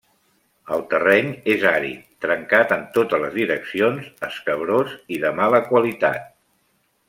El terreny és àrid, trencat en totes les direccions, escabrós i de mala qualitat.